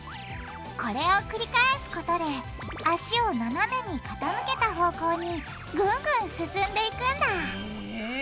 これを繰り返すことで脚をななめにかたむけた方向にぐんぐん進んでいくんだへぇ。